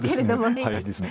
早いですね。